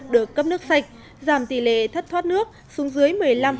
được cấp nước sạch giảm tỷ lệ thất thoát nước xuống dưới một mươi năm